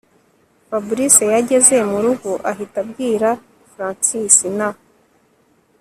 Fabric yageze murugo ahita abwira Francis na